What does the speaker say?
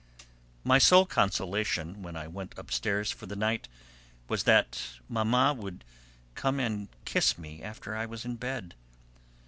My sole consolation when I went upstairs for the night was that Mamma would come in and kiss me after I was in bed.